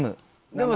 でも